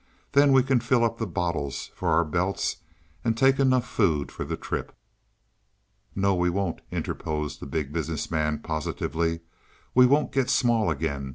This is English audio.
"Then we can fill up the bottles for our belts and take enough food for the trip." "No, we won't," interposed the Big Business Man positively. "We won't get small again.